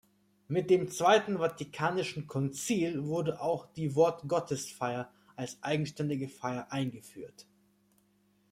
Mit dem Zweiten Vatikanischen Konzil wurde auch die Wort-Gottes-Feier als eigenständige Feier eingeführt.